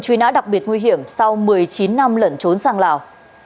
truy nã đặc biệt nguy hiểm sau một mươi chín năm lẩn trốn sang lào